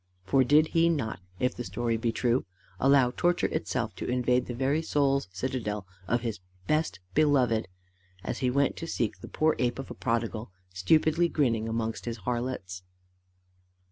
For did he not, if the story be true, allow torture itself to invade the very soul's citadel of his best beloved, as he went to seek the poor ape of a prodigal, stupidly grinning amongst his harlots?"